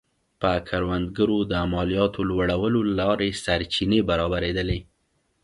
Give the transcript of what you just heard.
پر کروندګرو د مالیاتو لوړولو له لارې سرچینې برابرېدلې